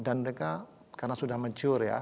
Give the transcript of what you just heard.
dan mereka karena sudah major ya